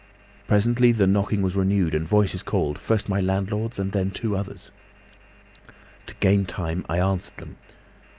Presently the knocking was renewed and voices called, first my landlord's, and then two others. To gain time I answered them.